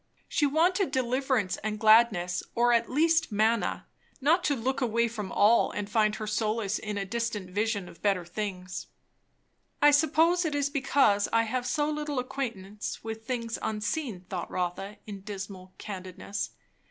She wanted deliverance and gladness; or at least, manna; not to look away from all and find her solace in a distant vision of better things. I suppose it is because I have so little acquaintance with things unseen, thought Rotha in dismal candidness.